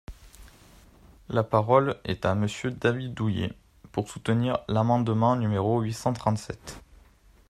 La parole est à Monsieur David Douillet, pour soutenir l’amendement numéro huit cent trente-sept.